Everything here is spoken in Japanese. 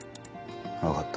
分かった。